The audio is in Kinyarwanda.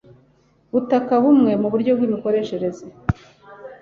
butaka bumwe uburyo bw imikoreshereze